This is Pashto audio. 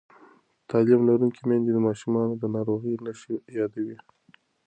تعلیم لرونکې میندې د ماشومانو د ناروغۍ نښې یادوي.